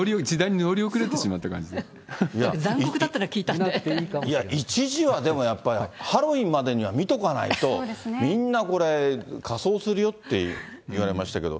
残酷だっていうのを聞いたんいや、一時はでも、ハロウィーンまでには見とかないと、みんなこれ、仮装するよって言われましたけど。